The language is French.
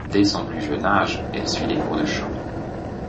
Dès son plus jeune âge, elle suit des cours de chant.